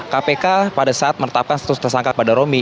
kpk pada saat menetapkan status tersangka kepada romi